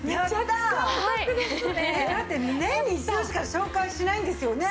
だって年に１度しか紹介しないんですよね！